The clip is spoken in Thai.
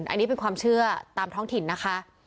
อันนี้เป็นความเชื่อตามท้องถิ่นนะคะ